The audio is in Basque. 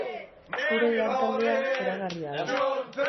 Gure lantaldea zoragarria da.